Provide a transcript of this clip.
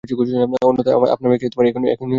অন্যথায় আপনার মেয়েকে এখনই নিয়ে যেতে পারবেন।